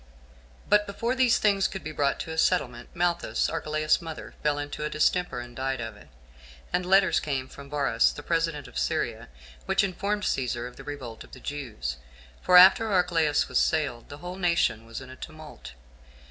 1. But before these things could be brought to a settlement, Malthace, Archelaus's mother, fell into a distemper, and died of it; and letters came from Varus, the president of Syria, which informed Cæsar of the revolt of the Jews; for after Archelaus was sailed, the whole nation was in a tumult.